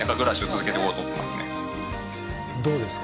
どうですか？